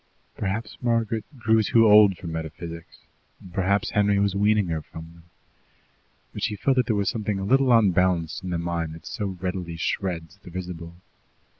Perhaps Margaret grew too old for metaphysics, perhaps Henry was weaning her from them, but she felt that there was something a little unbalanced in the mind that so readily shreds the visible.